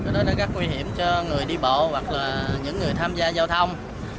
đó là các nguy hiểm cho người đi bộ hoặc là những người tham gia giao thông